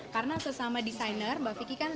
karena sesama desainer mbak vicky kan